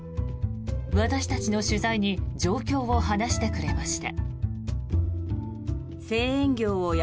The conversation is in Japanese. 私たちの取材に状況を話してくれました。